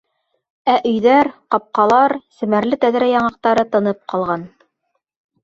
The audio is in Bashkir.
Ә өйҙәр, ҡапҡалар, семәрле тәҙрә яңаҡтары тынып ҡалған.